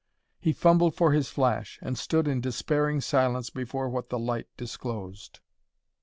He fumbled for his flash, and stood in despairing silence before what the light disclosed.